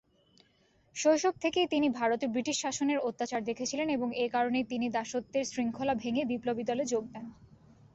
শৈশব থেকেই তিনি ভারতে ব্রিটিশ শাসনের অত্যাচার দেখেছিলেন এবং এ কারণেই তিনি দাসত্বের শৃঙ্খলা ভেঙে বিপ্লবী দলে যোগ দেন।